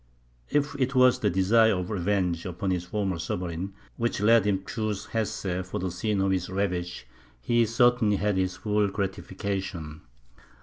If it was the desire of revenge upon his former sovereign, which led him to choose Hesse for the scene of his ravage, he certainly had his full gratification.